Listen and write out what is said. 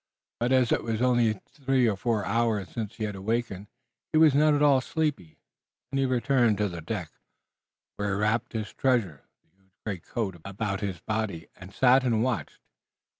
But as it was only three or four hours since he had awakened he was not at all sleepy and he returned to the deck, where he wrapped his treasure, the huge greatcoat, about his body and sat and watched.